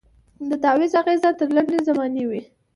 د تعویذ اغېز تر لنډي زمانې وي